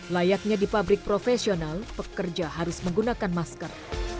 layaknya di pabrik profesional pekerja harus menggunakan masker